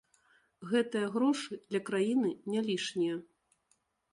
Гэтыя грошы для краіны не лішнія.